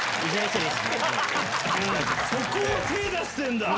そこ手出してんだ！